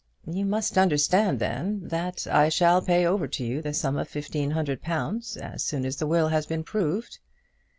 "You must understand, then, that I shall pay over to you the sum of fifteen hundred pounds as soon as the will has been proved."